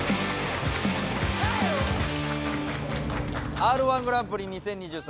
Ｒ−１グランプリ２０２３